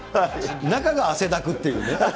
中が汗だくっていうね。